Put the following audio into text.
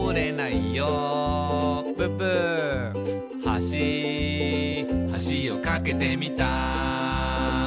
「はしはしを架けてみた」